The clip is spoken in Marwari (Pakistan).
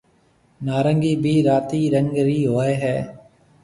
نارنگِي بي راتيَ رنگ رِي هوئي هيَ۔